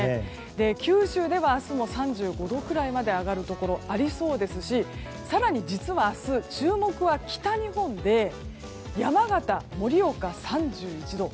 九州では明日も３５度くらいまで上がるところありそうですし更に実は明日、注目は北日本で山形、盛岡、３１度。